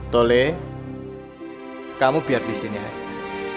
tole kamu biar di sini aja